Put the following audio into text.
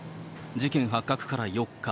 事件発覚から４日。